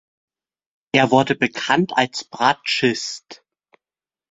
Er wurde bekannt als Bratschist.